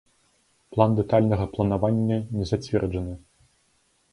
План дэтальнага планавання не зацверджаны.